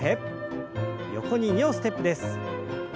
横に２歩ステップです。